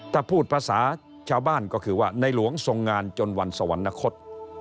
ถ้าพูดภาษาชาวบ้านก็คือว่าในหลวงทรงงานจนวันสวรรคต